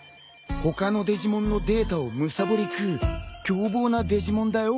他のデジモンのデータをむさぼり食う凶暴なデジモンだよ。